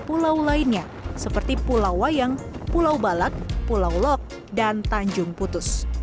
pulau lainnya seperti pulau wayang pulau balak pulau lok dan tanjung putus